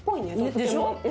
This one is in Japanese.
でしょ？